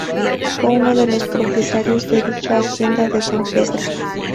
Fue uno de los propietarios de dicha hacienda de San Pedro.